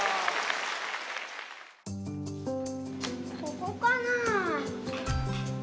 ここかなあ？